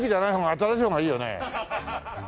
新しい方がいいよね？